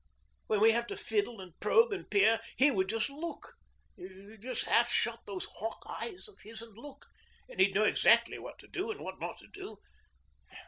Where we have to fiddle and probe and peer he would just look just half shut those hawk eyes of his and look, and he'd know exactly what to do and what not to do.